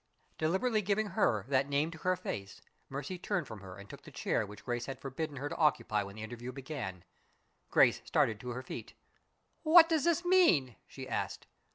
Deliberately giving her that name to her face, Mercy turned from her and took the chair which Grace had forbidden her to occupy when the interview began. Grace started to her feet. "What does this mean?" she asked.